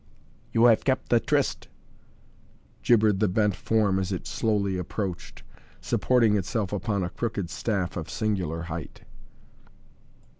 "You have kept the tryst," gibbered the bent form as it slowly approached, supporting itself upon a crooked staff of singular height.